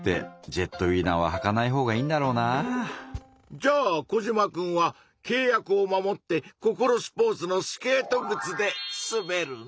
じゃあコジマくんはけい約を守ってココロスポーツのスケートぐつですべるの？